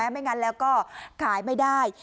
ไม่งั้นแล้วก็ขายไม่ได้